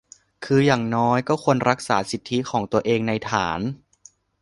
คืออย่างน้อยก็ควรรักษาสิทธิของตัวเองในฐาน